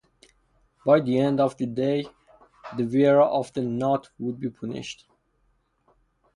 By the end of the day, the wearer of the "not" would be punished.